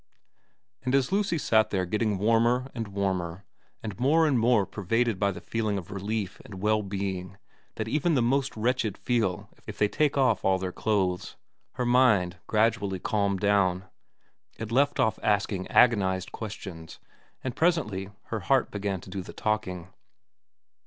And as Lucy sat there getting warmer and warmer, and more and more pervaded by the feeling of relief and well being that even the most wretched feel if they take off all their clothes, her mind gradually calmed down, it left off asking agonised questions, and presently her heart began to do the talking.